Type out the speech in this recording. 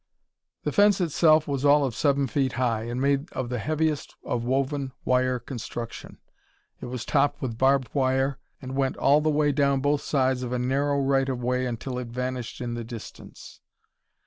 The fence itself was all of seven feet high and made of the heaviest of woven wire construction. It was topped with barbed wire, and went all the way down both sides of a narrow right of way until it vanished in the distance.